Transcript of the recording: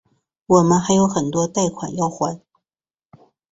我们还有很多贷款要还